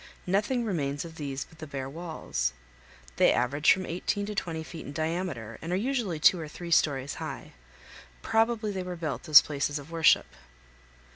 Nothing remains of these but the bare walls. They average from 18 to 20 feet in diameter, and are usually two or three stories high. Probably they were built as places of worship.